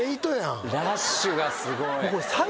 ラッシュがすごい。